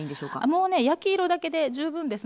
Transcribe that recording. もうね焼き色だけで十分ですので。